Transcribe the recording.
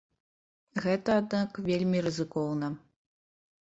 Гэта, аднак, вельмі рызыкоўна.